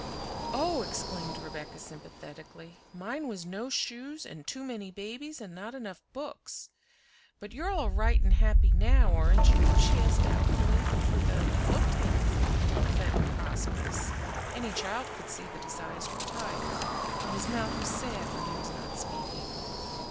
"Oh!" exclaimed Rebecca sympathetically, "mine was no shoes and too many babies and not enough books. But you're all right and happy now, aren't you?" she asked doubtfully, for though he looked handsome, well fed, and prosperous, any child could see that his eyes were tired and his mouth was sad when he was not speaking.